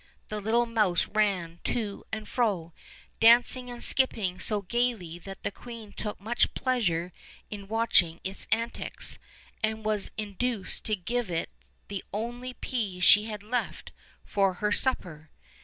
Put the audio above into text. The little mouse ran to and fro, dancing and skipping so gayly that the queen took much pleasure in watching its antics, and was induced to give it the only pea she had left for her supper.